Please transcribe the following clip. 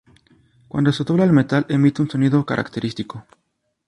Cuando se dobla el metal emite un sonido característico.